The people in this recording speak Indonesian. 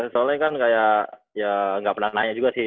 soalnya kan kayak ya gak pernah nanya juga sih